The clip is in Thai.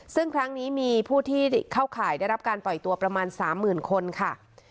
ซึ่งครั้งนี้มีผู้ที่เข้าข่ายได้รับการปล่อยตัวประมาณ๓๐๐๐คนค่ะ